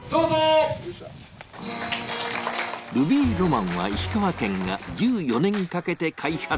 ルビーロマンは石川県が１４年かけて開発。